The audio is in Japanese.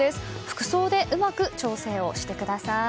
服装でうまく調整をしてください。